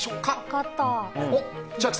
分かった。